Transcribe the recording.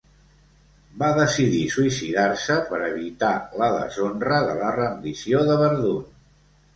Va decidir suïcidar-se per evitar la deshonra de la rendició de Verdun.